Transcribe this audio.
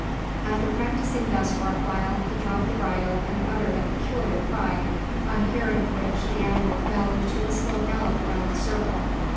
After practising thus for a while, he dropped the bridle and uttered a peculiar cry, on hearing which the animal fell into a slow gallop around the circle.